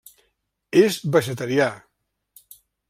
És vegetarià.